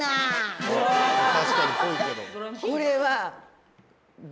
これは。